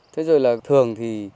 thế rồi là thường thì